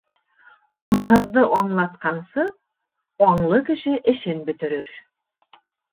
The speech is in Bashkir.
Аңһыҙҙы аңлатҡансы, аңлы кеше эшен бөтөрөр.